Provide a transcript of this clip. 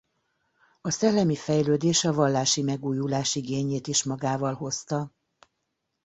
A szellemi fejlődés a vallási megújulás igényét is magával hozta.